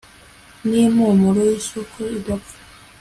n'impumuro y'isoko idapfa